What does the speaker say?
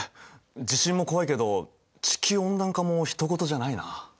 地震も怖いけど地球温暖化もひと事じゃないな。